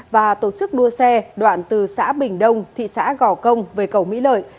và tổ chức đua xe đoạn từ xã bình đông thị xã gò công về cầu mỹ lợi